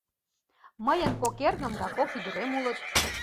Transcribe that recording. Мыйын кок эргым да кок ӱдырем улыт.